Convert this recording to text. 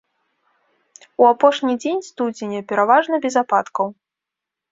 У апошні дзень студзеня пераважна без ападкаў.